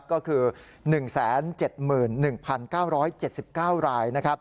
ก็คือ๑๗๑๙๗๙ราย